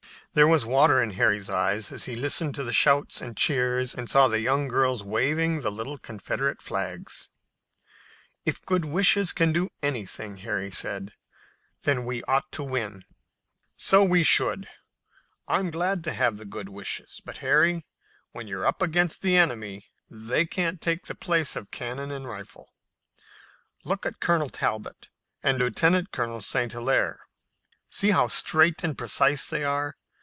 There was water in Harry's eyes as he listened to the shouts and cheers and saw the young girls waving the little Confederate flags. "If good wishes can do anything," said Harry, "then we ought to win." "So we should. I'm glad to have the good wishes, but, Harry, when you're up against the enemy, they can't take the place of cannon and rifles. Look at Colonel Talbot and Lieutenant Colonel St. Hilaire. See how straight and precise they are.